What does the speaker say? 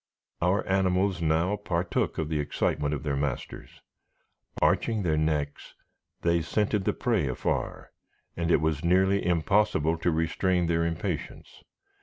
Our animals now partook of the excitement of their masters. Arching their necks, they scented the prey afar, and it was nearly impossible to restrain their impatience.